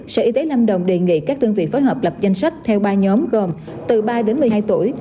sở y tế lâm đồng đề nghị các đơn vị phối hợp lập danh sách theo ba nhóm gồm từ ba đến một mươi hai tuổi